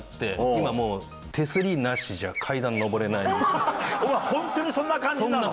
今もう、手すりなしじゃ階段上れお前、本当にそんな感じなの？